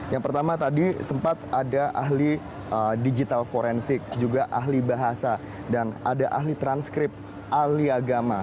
yang pertama tadi sempat ada ahli digital forensik juga ahli bahasa dan ada ahli transkrip ahli agama